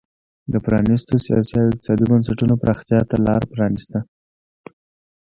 د پرانیستو سیاسي او اقتصادي بنسټونو پراختیا ته لار پرانېسته.